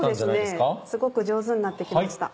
すごく上手になって来ました。